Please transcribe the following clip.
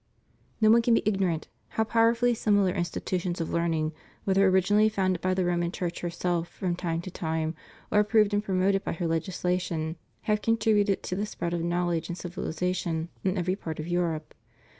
No one can be ignorant how powerfully similar insti tutions of learning, whether originally founded by the Roman Church herself from time to time or approved and promoted by her legislation, have contributed to the spread of knowledge and civilization in everj'^ part of Eu rope.